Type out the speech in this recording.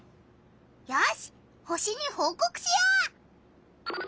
よし星にほうこくしよう！